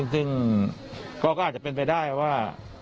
ซึ่งก็อาจจะเป็นไปได้ว่า